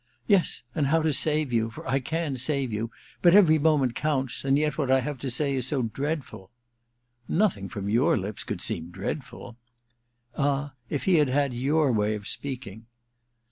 * Yes, and how to save you — for I can save you. But every moment counts — ^and yet what I have to say is so dreadful.' * Nothing from your lips could seem dreadful.' < Ah, if he had had your way of speaking